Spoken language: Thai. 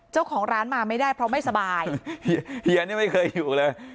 เจ้าของร้านมาไม่ได้เพราะไม่สบายเฮียนี่ไม่เคยอยู่เลย